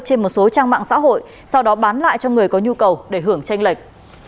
trên một số trang mạng xã hội sau đó bán lại cho người có nhu cầu để hưởng tranh lệch